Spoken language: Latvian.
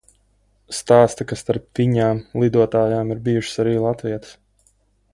Stāsta, ka starp viņām, lidotājām, ir bijušas arī latvietes.